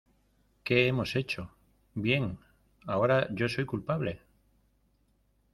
¿ Qué hemos hecho? ¡ bien! ¡ ahora yo soy culpable !